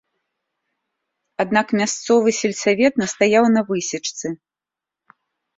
Аднак мясцовы сельсавет настаяў на высечцы.